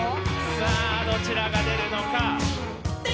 さあどちらが出るのか。